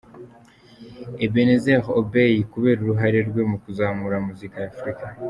Ebenezer Obey, kubera uruhare rwe mu kuzamura muzika ya Africa.